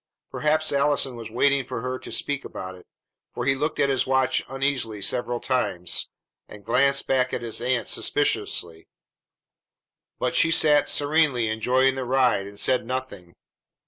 Perhaps Allison was waiting for her to speak about it; for he looked at his watch uneasily several times, and glanced back at his aunt suspiciously; but she sat serenely enjoying the ride, and said nothing.